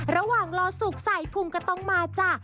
ระหว่างรอสุกใสภูมิก็ต้องมาจ้ะ